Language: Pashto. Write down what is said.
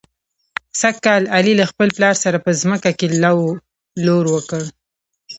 سږ کال علي له خپل پلار سره په ځمکه کې لو لور وکړ.